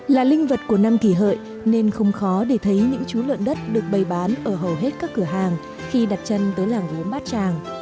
là linh vật của năm kỷ hợi nên không khó để thấy những chú lợn đất được bày bán ở hầu hết các cửa hàng khi đặt chân tới làng gốm bát tràng